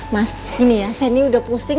mas gini ya saya ini udah pusing